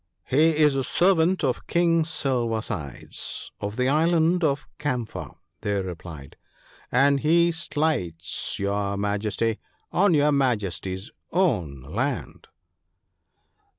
'He is a servant of King Silversides, of the Island of Camphor, ' they replied ;' and he slights your Majesty, on your Majesty's own land.'